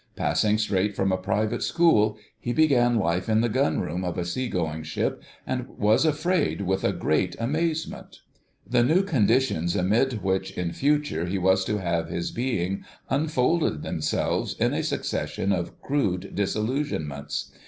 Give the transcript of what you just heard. Passing straight from a private school, he began life in the Gunroom of a sea going ship, and was afraid with a great amazement. The new conditions amid which in future he was to have his being unfolded themselves in a succession of crude disillusionments.